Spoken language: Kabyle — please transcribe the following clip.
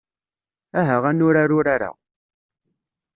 Aha ad nurar urar-a.